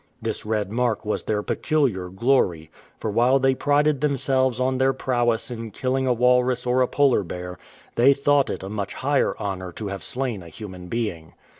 This red mark was their peculiar glory, for while they prided themselves on their prowess in killing a walrus or a polar bear, they thought it a much higher honour to have slain a human being.